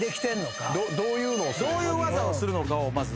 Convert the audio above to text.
どういう技をするのかをまず。